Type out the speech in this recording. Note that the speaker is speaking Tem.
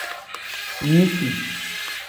Yisi.